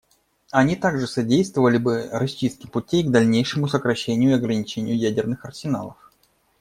Они также содействовали бы расчистке путей к дальнейшему сокращению и ограничению ядерных арсеналов.